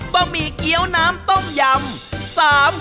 บะหมี่เกี้ยวน้ำต้มยำ